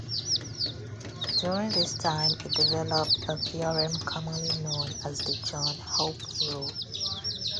During this time, he developed a theorem commonly known as the John Hope Rule.